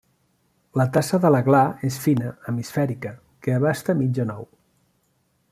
La tassa de la gla és fina, hemisfèrica, que abasta mitjà nou.